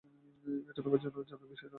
এটা তোমার জানার বিষয় না।